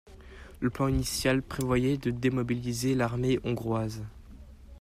Le plan initial prévoyait de démobiliser l'armée hongroise.